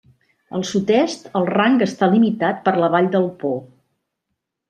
Al sud-est el rang està limitat per la Vall del Po.